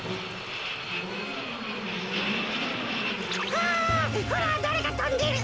あほらだれかとんでる。